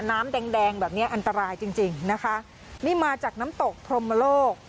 น้ำแดงแดงแบบเนี้ยอันตรายจริงจริงนะคะนี่มาจากน้ำตกพรมโลก